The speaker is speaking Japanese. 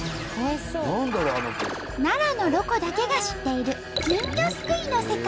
奈良のロコだけが知っている金魚すくいの世界。